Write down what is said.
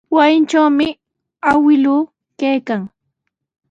Wasintrawmi awkilluu kaykan.